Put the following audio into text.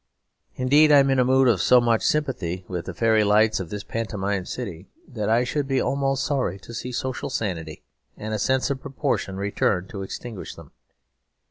Indeed I am in a mood of so much sympathy with the fairy lights of this pantomime city, that I should be almost sorry to see social sanity and a sense of proportion return to extinguish them.